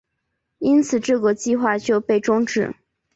因此这个计划就被终止。